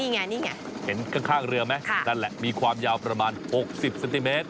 นี่ไงนี่ไงเห็นข้างเรือไหมนั่นแหละมีความยาวประมาณ๖๐เซนติเมตร